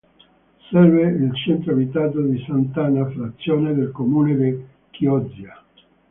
Serve il centro abitato di Sant'Anna, frazione del comune di Chioggia.